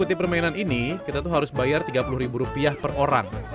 mengikuti permainan ini kita tuh harus bayar tiga puluh ribu rupiah per orang